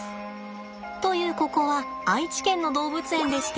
というここは愛知県の動物園でして。